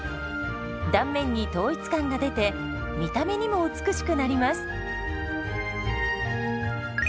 断面に統一感が出て見た目にも美しくなります。